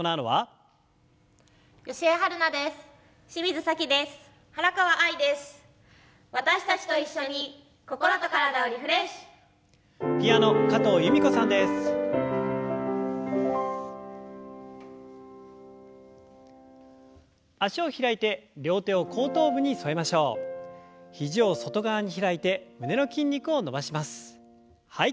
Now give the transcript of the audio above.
はい。